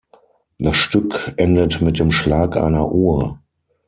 Das Stück endet mit dem Schlag einer Uhr.